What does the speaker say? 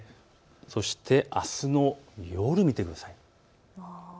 そしてあすの夜を見てください。